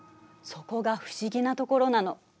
そこが不思議なところなの。